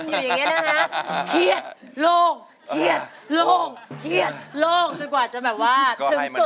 จนกว่าจะแบบว่า